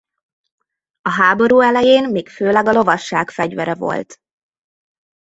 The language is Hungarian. A háború elején még főleg a lovasság fegyvere volt.